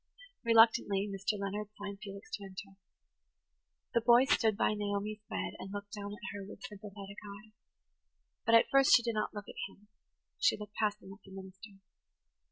Reluctantly Mr. Leonard signed Felix to enter. The boy stood by Naomi's bed and looked down at her with sympathetic eyes. But at first she did not look at him–she looked past him at the minister.